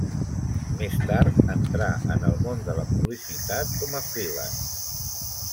Més tard entrà en el món de la publicitat com a freelance.